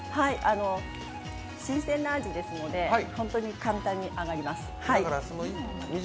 新鮮なあじですので、簡単に揚がります。